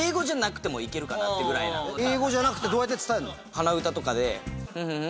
鼻歌とかで。